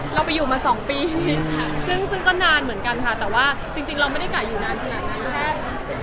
เราไปอยู่มา๒ปีค่ะซึ่งก็นานเหมือนกันค่ะแต่ว่าจริงเราไม่ได้กะอยู่นานขนาดนั้น